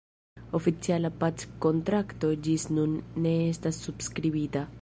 Oficiala packontrakto ĝis nun ne estas subskribita.